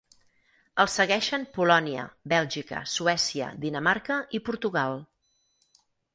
El segueixen Polònia, Bèlgica, Suècia, Dinamarca i Portugal.